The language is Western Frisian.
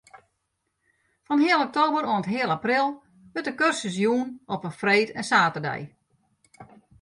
Fan heal oktober oant heal april wurdt de kursus jûn op freed en saterdei.